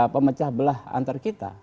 pemecah belah antar kita